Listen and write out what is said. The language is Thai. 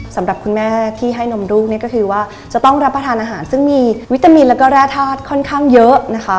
สำหรับคุณแม่ที่ให้นมลูกเนี่ยก็คือว่าจะต้องรับประทานอาหารซึ่งมีวิตามินแล้วก็แร่ธาตุค่อนข้างเยอะนะคะ